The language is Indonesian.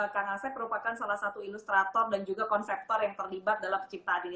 kang asep merupakan salah satu ilustrator dan juga konseptor yang terlibat dalam penciptaan ini